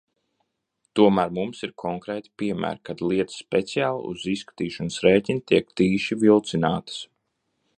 Tomēr mums ir konkrēti piemēri, kad lietas speciāli uz izskatīšanas rēķina tiek tīši vilcinātas.